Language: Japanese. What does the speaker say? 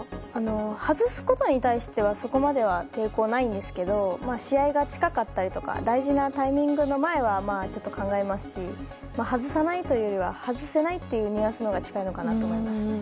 外すことに対してはそこまでは抵抗ないんですけど試合が近かったり大事なタイミングの前はちょっと考えますし外さないというよりは外せないというニュアンスのほうが近いのかなと思います。